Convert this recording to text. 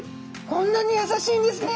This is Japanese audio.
こんなにやさしいんですね。